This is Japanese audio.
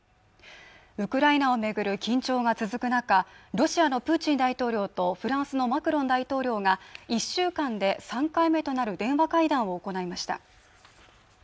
ウクライナをめぐる緊張が続く中ロシアのプーチン大統領とフランスのマクロン大統領が１週間で３回目となる電話会談を行いました